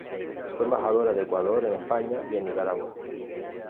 Fue embajadora de Ecuador en España y en Nicaragua.